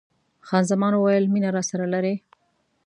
خان زمان وویل: مینه راسره لرې؟